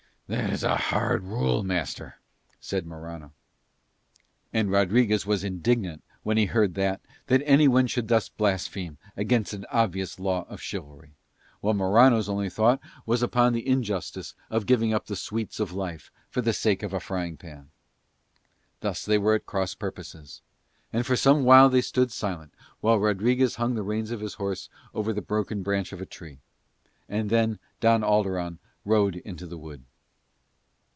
"That is a hard rule, master," said Morano. And Rodriguez was indignant, when he heard that, that anyone should thus blaspheme against an obvious law of chivalry: while Morano's only thought was upon the injustice of giving up the sweets of life for the sake of a frying pan. Thus they were at cross purposes. And for some while they stood silent, while Rodriguez hung the reins of his horse over the broken branch of a tree. And then Don Alderon rode into the wood.